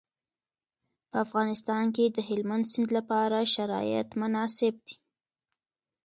په افغانستان کې د هلمند سیند لپاره شرایط مناسب دي.